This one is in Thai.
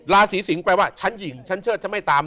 ราศีสิงศ์แปลว่าฉันหญิงฉันเชิดฉันไม่ตาม